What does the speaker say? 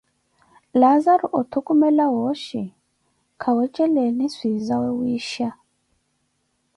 Laazaru otukhumela wooshi kha wejeleeni swiizawe wiisha.